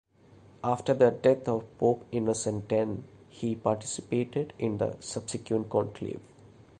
After the death of Pope Innocent X, he participated in the subsequent conclave.